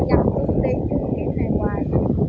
chứ kiếm này hoài